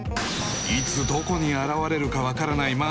いつどこに現れるか分からない